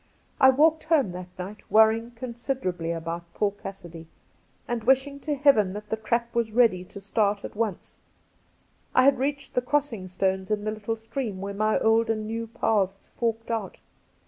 I walked home that night worrying considerably about poor Cassidy and wishing to Heaven that the trap was ready to start at once. I had reached the crossing stones in the little stream, where my old and new paths forked out.